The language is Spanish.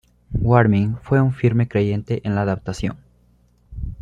Warming fue un firme creyente en la adaptación.